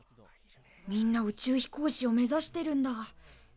みんな宇宙飛行士を目ざしてるんだ。